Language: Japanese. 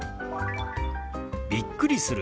「びっくりする」。